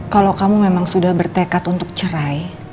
kalau kamu memang sudah bertekad untuk cerai